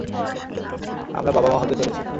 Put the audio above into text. আমরা মা-বাবা হতে চলেছি।